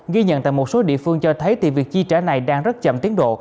ghi nhận tại một số địa phương cho thấy thì việc chi trả này đang rất chậm tiến độ